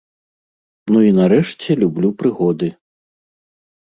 Ну і нарэшце люблю прыгоды.